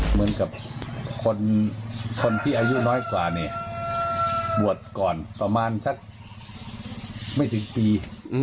เหมือนกับคนที่อายุน้อยกว่าบวชก่อนตอนนั้นประมาณสักไม่ถึงปี